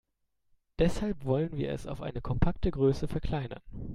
Deshalb wollen wir es auf eine kompakte Größe verkleinern.